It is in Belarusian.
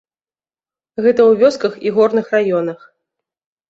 Гэта ў вёсках і горных раёнах.